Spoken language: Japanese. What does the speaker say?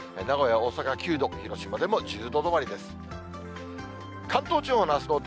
名古屋、大阪９度、広島でも１０度止まりです。